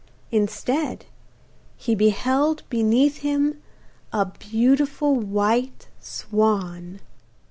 Instead, he beheld beneath him a beautiful white swan!